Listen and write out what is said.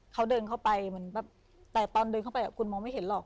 เขาเดินเข้าไปเหมือนแบบแต่ตอนเดินเข้าไปคุณมองไม่เห็นหรอก